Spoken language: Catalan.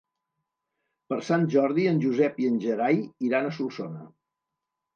Per Sant Jordi en Josep i en Gerai iran a Solsona.